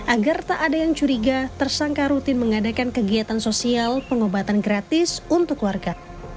agar tak ada yang curiga tersangka rutin mengadakan kegiatan sosial pengobatan gratis untuk warga